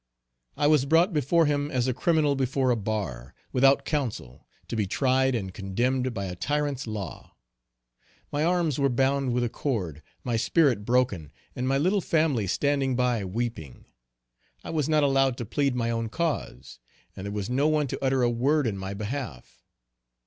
I was brought before him as a criminal before a bar, without counsel, to be tried and condemned by a tyrant's law. My arms were bound with a cord, my spirit broken, and my little family standing by weeping. I was not allowed to plead my own cause, and there was no one to utter a word in my behalf.